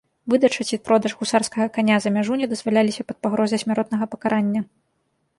Выдача ці продаж гусарскага каня за мяжу не дазваляліся пад пагрозай смяротнага пакарання.